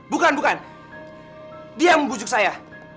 bukan bukan dia membujuk saya